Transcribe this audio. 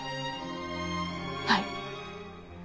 はい。